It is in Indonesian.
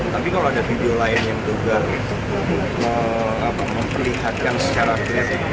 tapi kalau ada video lain yang juga memperlihatkan secara agresif